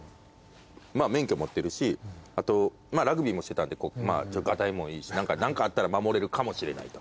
まあ免許持ってるしあとラグビーもしてたんでガタイもいいし何かあったら守れるかもしれないと。